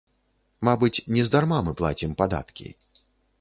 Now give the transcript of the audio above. Мабыць, нездарма мы плацім падаткі.